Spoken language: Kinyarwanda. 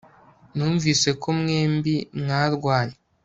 Numvise ko mwembi mwarwanye